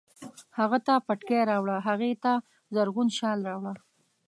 هغه ته پټکی راوړه، هغې ته زرغون شال راوړه